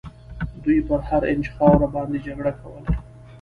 دوی پر هر اینچ خاوره باندي جګړه کوله.